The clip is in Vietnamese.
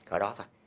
ở đó thôi